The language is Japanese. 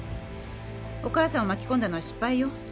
お義母さんを巻き込んだのは失敗よ。